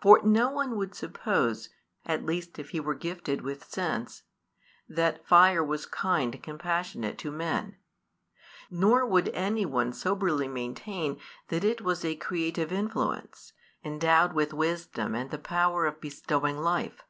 For no one would suppose, at least if he were gifted with sense, that fire was kind and compassionate to men; nor would any one soberly maintain that it was a creative influence, endowed with wisdom and the power of bestowing life.